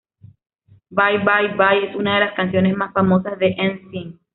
Bye Bye Bye es una de las canciones más famosas de 'N Sync.